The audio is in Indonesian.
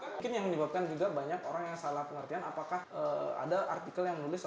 mungkin yang menyebabkan juga banyak orang yang salah pengertian apakah ada artikel yang menulis